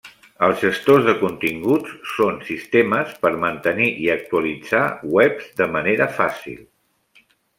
Els gestors de continguts són sistemes per mantenir i actualitzar webs de manera fàcil.